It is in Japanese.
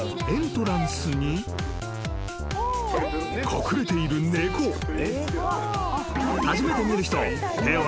［エントランスに隠れている猫］